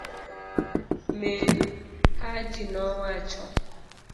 min hajinowacho